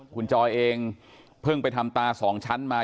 คุณจอยเองเพิ่งไปทำตาสองชั้นมา